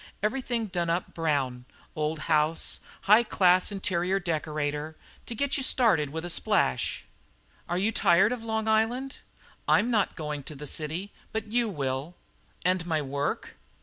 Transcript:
"Everything done up brown old house high class interior decorator, to get you started with a splash." "Are you tired of Long Island?" "I'm not going to the city, but you will." "And my work?"